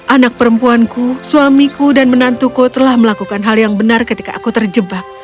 anak perempuanku suamiku dan menantuku telah melakukan hal yang benar ketika aku terjebak